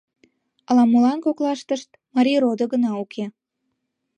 Ала-молан коклаштышт марий родо гына уке.